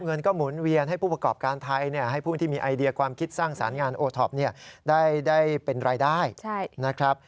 เงินก็หมุนเวียนให้ผู้ประกอบการไทยให้ผู้ที่มีไอเดียความคิดสร้างสรรค์งานโอท็อปได้เป็นรายได้นะครับ